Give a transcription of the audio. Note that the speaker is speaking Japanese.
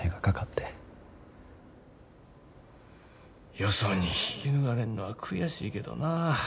よそに引き抜かれんのは悔しいけどな。